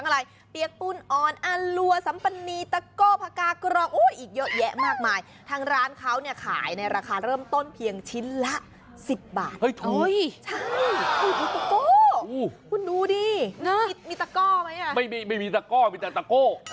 เฮ้ยถูกโอ้ยใช่ตะโก้คุณดูดิมีตะโก้ไหมอ่ะไม่มีตะโก้มีแต่ตะโก้